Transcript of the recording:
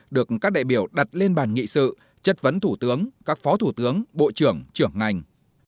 được các đại biểu đặt lên bàn nghị sự chất vấn thủ tướng các phó thủ tướng bộ trưởng trưởng ngành